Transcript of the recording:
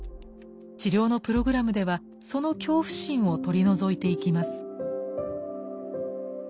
治療のプログラムではその恐怖心を取り除いていきます。